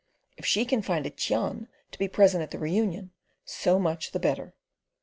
If she can find a Cheon to be present at the reunion, so much the better.